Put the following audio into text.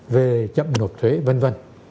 về chậm nộp thuế v v